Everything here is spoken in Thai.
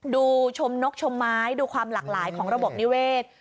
ดูชมนกชมไม้ดูความหลากหลายของระบบนิเวศ